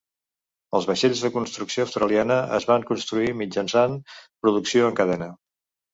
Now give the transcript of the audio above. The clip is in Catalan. Els vaixells de construcció australiana es van construir mitjançant producció en cadena.